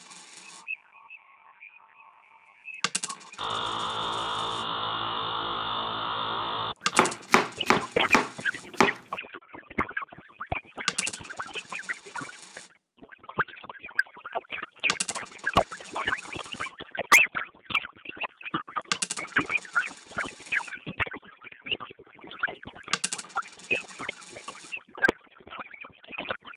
Idhaa ilipoanza miaka sitini iliyopita ilikua inatumia mitambo ya masafa mafupi, lakini kutokana na kuendelea kwa teknolojia